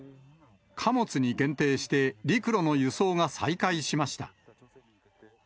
貨物に限定して陸路の輸送が再開しました。